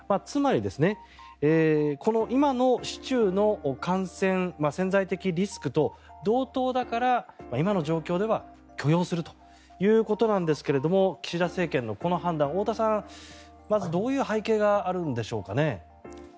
つまり、今の市中の感染の潜在的リスクと同等だから今の状況では許容するということなんですが岸田政権のこの判断太田さん、まずどういう背景があるんでしょうかね。